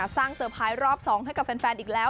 สร้างเซอร์ไพรส์รอบสองให้กับแฟนอีกแล้ว